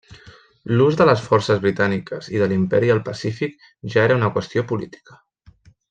L'ús de les forces britàniques i de l'Imperi al Pacífic ja era una qüestió política.